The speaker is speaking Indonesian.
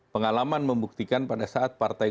pengalaman membuktikan pada saat partai